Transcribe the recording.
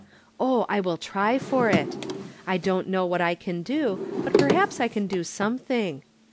Oh, I will try for it. I don't know what I can do, but perhaps I can do something.